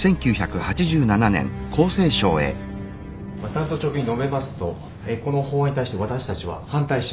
単刀直入に述べますとこの法案に対して私たちは反対します。